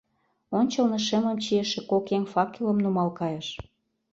Ончылно шемым чийыше кок еҥ факелым нумал кайыш.